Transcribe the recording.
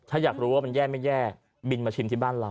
ถ้าอยากรู้ว่ามันแย่ไม่แย่บินมาชิมที่บ้านเรา